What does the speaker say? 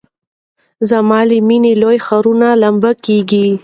زما له میني لوی ښارونه لمبه کیږي